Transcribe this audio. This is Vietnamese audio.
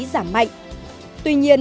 giảm mạnh tuy nhiên